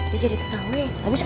dia jadi ketahui